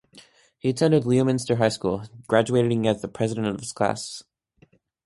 He attended Leominster High School, graduating as the president of his class.